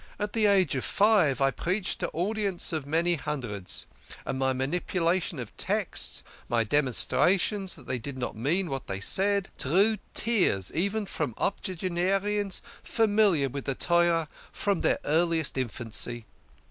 At the age of five I preached to audi ences of many hundreds, and my manipulation of texts, my demonstrations that they did not mean what they said, drew tears even from octogenarians familiar with the Torah from THE KING OF SCHNORRERS. 95 their earliest infancy.